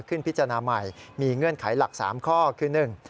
พิจารณาใหม่มีเงื่อนไขหลัก๓ข้อคือหนึ่ง